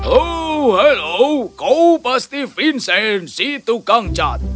oh halo kau pasti vincent si tukang cat